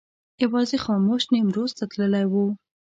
یوازې خاموش نیمروز ته تللی و.